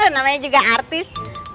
namanya juga artis